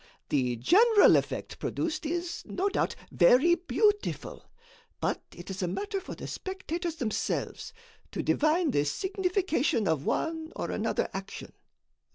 The general effect produced is, no doubt, very beautiful, but it is a matter for the spectators themselves to divine the signification of one or another action.